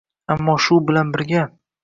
ammo shu bilan birga